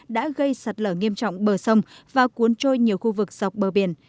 đã gây sạt lở nghiêm trọng bờ sông và cuốn trôi nhiều khu vực dọc bờ biển